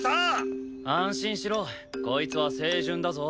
安心しろこいつは清純だぞ。